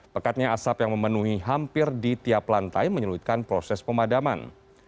pekatnya asap yang memenuhi hampir di tiap lantai menyeluitkan proses pemadaman